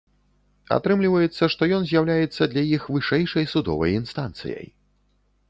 Атрымліваецца, што ён з'яўляецца для іх вышэйшай судовай інстанцыяй.